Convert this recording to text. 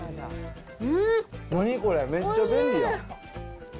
何これ、めっちゃ便利やん。